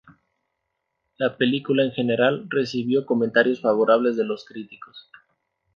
La película en general recibió comentarios favorables de los críticos.